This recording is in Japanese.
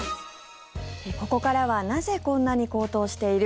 ここからはなぜこんなに高騰している？